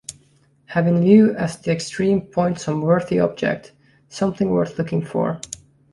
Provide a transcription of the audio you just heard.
Have in view as the extreme point some worthy object, something worth looking for.